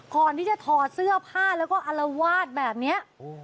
ก่อนที่จะถอเสื้อผ้าแล้วก็อลวาสแบบนี้